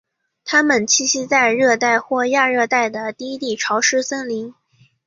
它们栖息在热带或亚热带的低地潮湿森林。